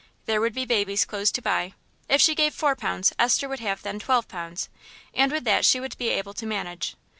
There would be baby's clothes to buy.... If she gave four pounds Esther would have then twelve pounds, and with that she would be able to manage.